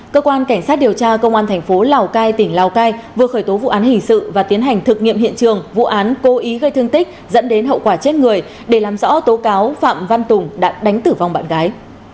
cơ quan cảnh sát điều tra công an thành phố lào cai tỉnh lào cai vừa khởi tố vụ án hình sự và tiến hành thực nghiệm hiện trường vụ án cố ý gây thương tích dẫn đến hậu quả chết người để làm rõ tố cáo phạm văn tùng đã đánh tử vong bạn gái